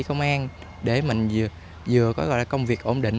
không an để mình vừa có công việc ổn định